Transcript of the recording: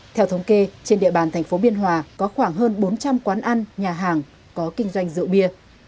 theo thống kê trên địa bàn thành phố biên hòa có khoảng hơn bốn trăm linh quán ăn nhà hàng có kinh doanh rượu bia